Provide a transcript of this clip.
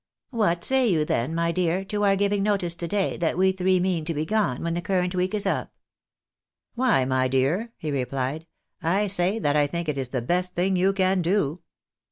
"\Miat say you then, my dear, to our giving notice to day that we three mean to be gone when the current week is up? "" Why, my dear," he replied, " I say that I think it is the best thing you can do."